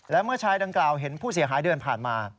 และเมื่อชายดังกล่าวเห็นผู้เสียหายเดินผ่านมา